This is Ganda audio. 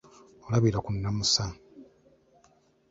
Olabira ku nnamusa.